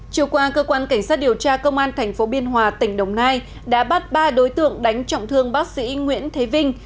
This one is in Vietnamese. chiều qua cơ quan cảnh sát điều tra công an tp biên hòa tỉnh đồng nai đã bắt ba đối tượng đánh trọng thương bác sĩ nguyễn thế vinh